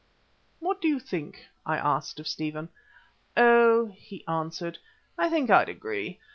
"What do you think?" I asked of Stephen. "Oh!" he answered, "I think I'd agree.